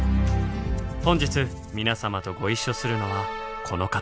本日皆様とご一緒するのはこの方。